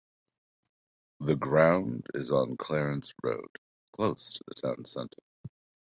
The ground is on Clarence Road, close to the town centre.